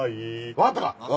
わかったか！？